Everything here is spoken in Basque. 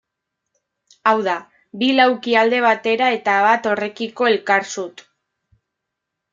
Hau da, bi lauki alde batera eta bat horrekiko elkarzut.